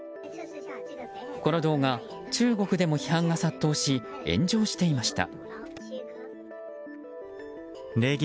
この動画、中国でも批判が殺到し炎上していました。